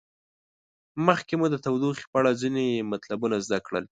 مخکې مو د تودوخې په اړه ځینې مطلبونه زده کړل.